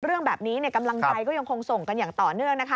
เรื่องแบบนี้กำลังใจก็ยังคงส่งกันอย่างต่อเนื่องนะคะ